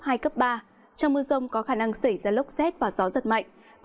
trong mưa rông có khả năng xảy ra lốc xét và gió giật mạnh